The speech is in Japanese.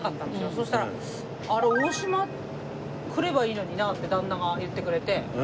そしたら「大島来ればいいのにな」って旦那が言ってくれて。